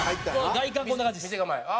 外観こんな感じです。